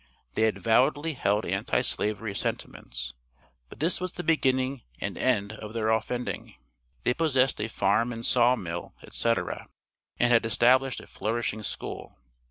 They avowedly held Anti slavery sentiments, but this was the beginning and end of their offending. They possessed a farm and saw mill, etc., and had established a flourishing school.